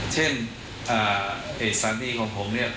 เช่นเอกสารดีของผมเนี่ย